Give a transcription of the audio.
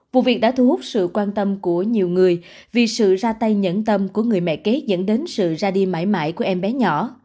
vụ việc đã thu hút sự quan tâm của nhiều người vì sự ra tay nhẫn tâm của người mẹ kế dẫn đến sự ra đi mãi mãi của em bé nhỏ